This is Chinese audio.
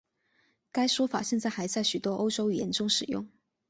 该说法现在还在许多欧洲语言中使用。